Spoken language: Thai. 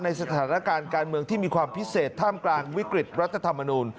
สถานการณ์การเมืองที่มีความพิเศษท่ามกลางวิกฤตรัฐธรรมนูล